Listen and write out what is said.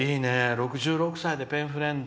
６６歳でペンフレンド。